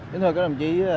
kính thưa các đồng chí